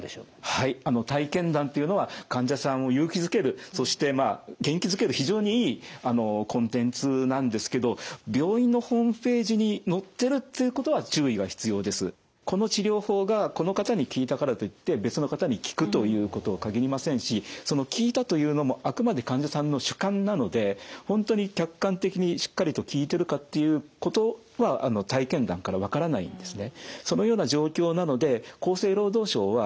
はいあの体験談というのは患者さんを勇気づけるそしてまあ元気づける非常にいいコンテンツなんですけどこの治療法がこの方に効いたからといって別の方に効くということは限りませんしその「効いた」というのもあくまで患者さんの主観なので本当に客観的にしっかりと効いてるかっていうことは体験談から分からないんですね。